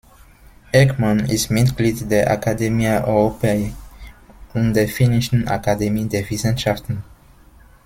Eckmann ist Mitglied der Academia Europaea und der Finnischen Akademie der Wissenschaften.